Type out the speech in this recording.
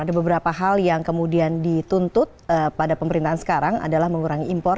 ada beberapa hal yang kemudian dituntut pada pemerintahan sekarang adalah mengurangi impor